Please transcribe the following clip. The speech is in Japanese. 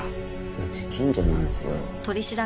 うち近所なんですよ。